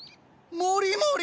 もりもり！